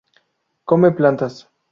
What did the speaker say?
Come plantas.